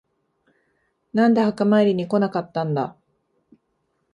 なんで墓参りに来なかったんだ。